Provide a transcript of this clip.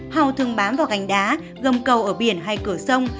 hầu thường bám vào gành đá gầm cầu ở biển hay cửa sông